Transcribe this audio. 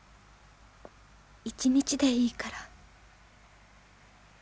一日でいいから」